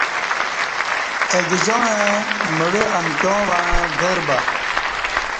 ماہ گجاعں مڑہ ایکیا وعں ڈربا